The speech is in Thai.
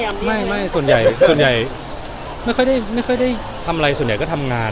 ที่พยายามเลี่ยงไม่ส่วนใหญ่ไม่ค่อยได้ทำอะไรส่วนใหญ่ก็ทำงาน